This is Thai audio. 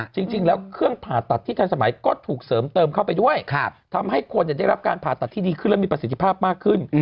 จริงแล้วเครื่องผ่าตัดที่ทันสมัยก็ถูกเสริมเติมเข้าไปด้วยทำให้คนได้รับการผ่าตัดที่ดีขึ้นและมีประสิทธิภาพมากขึ้น